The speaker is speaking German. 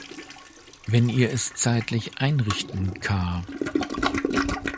Wenn ihr es zeitlich einrichten k